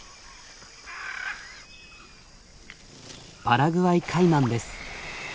パラグアイカイマンです。